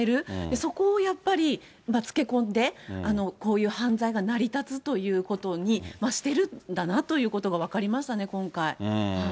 そこをやっぱりつけ込んで、こういう犯罪が成り立つということにしてるんだなということが分かりましたね、今回。